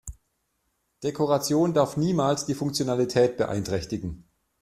Dekoration darf niemals die Funktionalität beeinträchtigen.